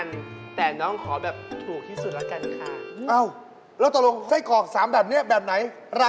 แน่นอนจัดของถูกไป